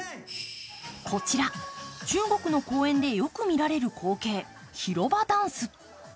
こちら、中国の公園でよく見られる光景、広場ダンス。